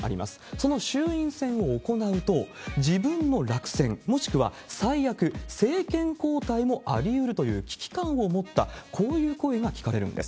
その衆院選を行うと、自分の落選、もしくは、最悪、政権交代もありうるという危機感を持った、こういう声が聞かれるんです。